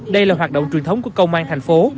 đây là hoạt động truyền thống của công an thành phố